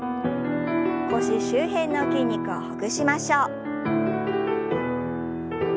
腰周辺の筋肉をほぐしましょう。